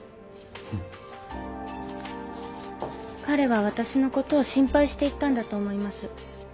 彼は私のことを心配して言ったんだと思います。